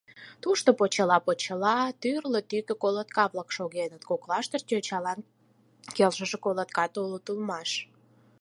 Тушто почела-почела тӱрлӧ тӱкӧ колотка-влак шогеныт, коклаштышт йочалан келшыше колоткат улыт улмаш.